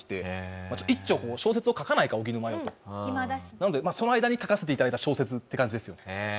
なのでその間に書かせて頂いた小説って感じですよね。